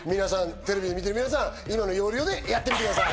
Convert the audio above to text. テレビを見ている皆さん、今の要領でやってみてください。